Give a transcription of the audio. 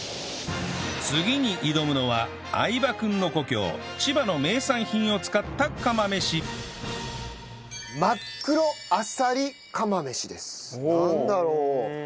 次に挑むのは相葉君の故郷千葉の名産品を使った釜飯なんだろう？